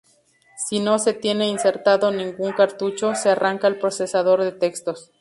Si no se tiene insertado ningún cartucho, se arranca el procesador de textos.